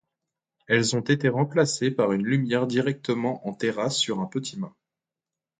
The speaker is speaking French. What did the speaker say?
Elles ont été remplacées par une lumière directement en terrasse sur un petit mât.